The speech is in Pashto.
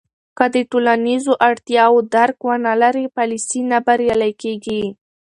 که د ټولنیزو اړتیاوو درک ونه لرې، پالیسۍ نه بریالۍ کېږي.